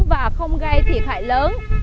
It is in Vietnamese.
và không gây thiệt hại lớn